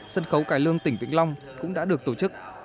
sân khấu cải lương tỉnh vĩnh long cũng đã được tổ chức